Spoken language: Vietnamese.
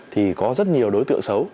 thì có rất nhiều đối tượng xấu